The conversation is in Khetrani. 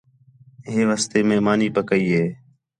ہِے واسطے مئے مانی پکئی ہے